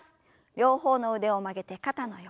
両方の腕を曲げて肩の横。